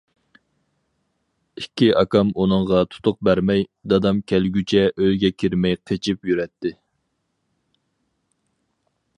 ئىككى ئاكام ئۇنىڭغا تۇتۇق بەرمەي، دادام كەلگۈچە ئۆيگە كىرمەي قېچىپ يۈرەتتى.